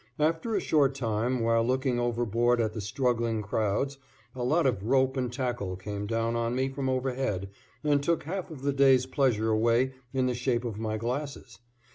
After a short time, while looking overboard at the struggling crowds, a lot of rope and tackle came down on me from overhead and took half of the day's pleasure away in the shape of my glasses.